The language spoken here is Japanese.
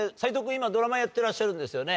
今ドラマやってらっしゃるんですよね。